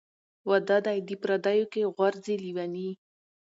ـ واده دى د پرديي کې غورځي لېوني .